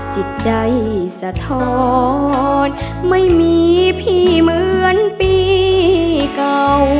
จิตใจสะท้อนไม่มีพี่เหมือนปีเก่า